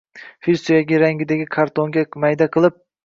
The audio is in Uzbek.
Fil suyagi rangidagi kartonga mayda qilib